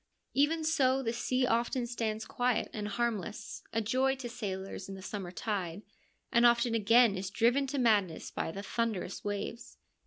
A Even so the sea often stands quiet and harmless, a joy to sailors in the summer tide, and often again is driven to madness by the thunderous waves.